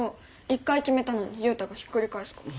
一回決めたのにユウタがひっくり返すから。